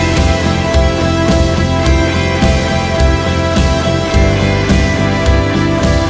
โห้ข้างเขาใหญ่ไง